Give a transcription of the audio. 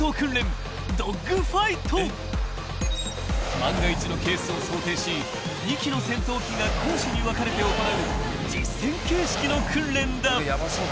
［万が一のケースを想定し２機の戦闘機が攻守に分かれて行う実戦形式の訓練だ］